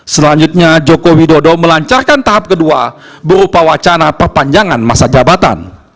selanjutnya joko widodo melancarkan tahap kedua berupa wacana perpustakaan